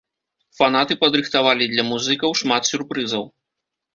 Фанаты падрыхтавалі для музыкаў шмат сюрпрызаў.